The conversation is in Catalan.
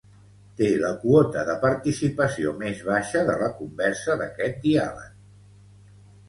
Té la quota de participació més baixa de la conversa d'aquest diàleg.